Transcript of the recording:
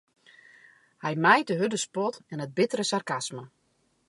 Hy mijt de hurde spot en it bittere sarkasme.